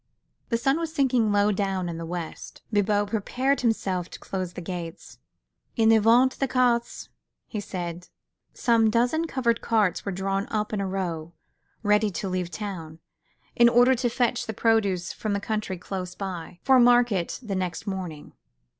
The sun was sinking low down in the west. Bibot prepared himself to close the gates. "En avant the carts," he said. Some dozen covered carts were drawn up in a row, ready to leave town, in order to fetch the produce from the country close by, for market the next morning.